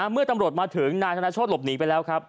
เมื่อตำรวจมาถึงนายธนโชธหลบหนีไปแล้วครับ